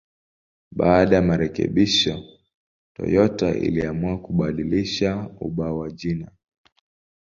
Baada ya marekebisho, Toyota iliamua kubadilisha ubao wa jina.